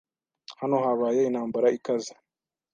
Hano habaye intambara ikaze.